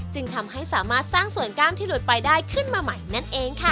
จึงทำให้สามารถสร้างส่วนกล้ามที่หลุดไปได้ขึ้นมาใหม่นั่นเองค่ะ